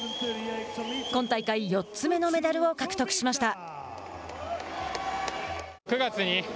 今大会４つ目のメダルを獲得しました。